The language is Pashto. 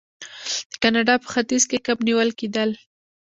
د کاناډا په ختیځ کې کب نیول کیدل.